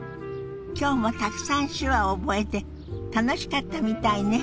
今日もたくさん手話を覚えて楽しかったみたいね。